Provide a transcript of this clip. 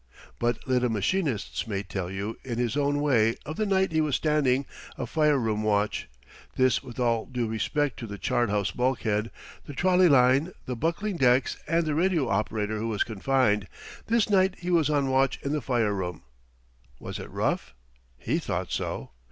But let a machinist's mate tell you in his own way of the night he was standing a fire room watch this with all due respect to the chart house bulkhead, the trolley line, the buckling decks, and the radio operator who was confined this night he was on watch in the fire room. Was it rough? He thought so.